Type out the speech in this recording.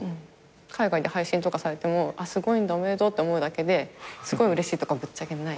海外で配信とかされてもすごいんだおめでとうって思うだけですごいうれしいとかぶっちゃけない。